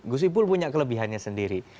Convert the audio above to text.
gus ipul punya kelebihannya sendiri